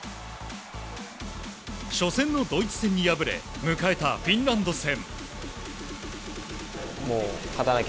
初戦のドイツ戦に敗れ迎えたフィンランド戦。